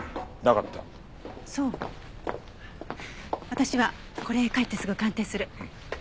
私はこれ帰ってすぐ鑑定する。